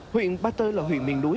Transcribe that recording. huyện ba tơ là huyện miền núi